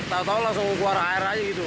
tahu tahu langsung keluar air aja gitu